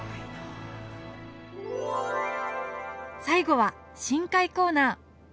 最後は深海コーナー！